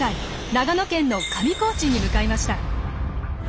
長野県の上高地に向かいました。